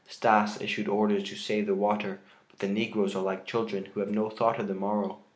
Stas issued orders to save the water, but the negroes are like children, who have no thought of the morrow.